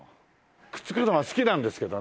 くっつけるのは好きなんですけどね。